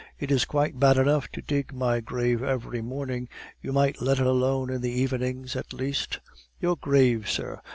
It is quite bad enough to dig my grave every morning; you might let it alone in the evenings at least " "Your grave, sir!